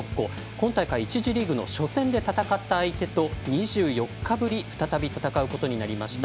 今大会、１次リーグの初戦で戦った相手と２４日ぶり再び戦うことになりました。